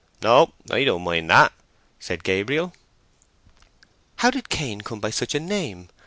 "No, I don't mind that," said Gabriel. "How did Cain come by such a name?"